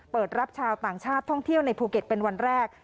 เปิดรับชาวต่างชาติท่องเที่ยวในภูเก็ตเป็นวันแรก